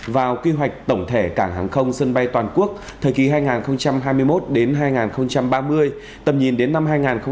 vào quy hoạch tổng thể cảng hàng không sân bay toàn quốc thời kỳ hai nghìn hai mươi một đến hai nghìn ba mươi tầm nhìn đến năm hai nghìn năm mươi